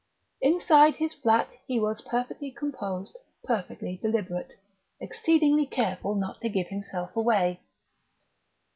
Inside his flat, he was perfectly composed, perfectly deliberate, exceedingly careful not to give himself away.